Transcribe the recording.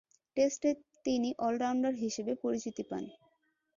টেস্টে তিনি অল-রাউন্ডার হিসেবে পরিচিতি পান।